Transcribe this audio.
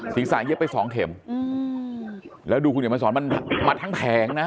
เย็บไปสองเข็มแล้วดูคุณเดี๋ยวมาสอนมันมาทั้งแผงนะ